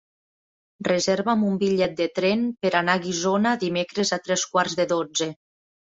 Reserva'm un bitllet de tren per anar a Guissona dimecres a tres quarts de dotze.